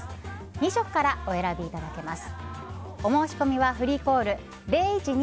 ２色からお選びいただけます。